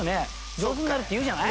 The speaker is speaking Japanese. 上手になるって言うじゃない？